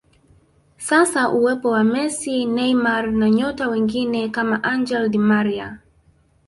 Sasa uwepo wa Messi Neymar na nyota wengine kama Angel di Maria